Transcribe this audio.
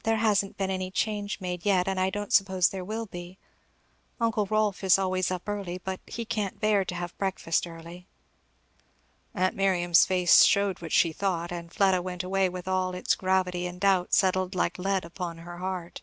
_" "There hasn't been any change made yet, and I don't suppose there will be. Uncle Rolf is always up early, but he can't bear to have breakfast early." Aunt Miriam's face showed what she thought; and Fleda went away with all its gravity and doubt settled like lead upon her heart.